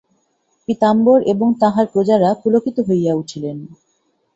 পীতাম্বর এবং তাঁহার প্রজারা পুলকিত হইয়া উঠিলেন।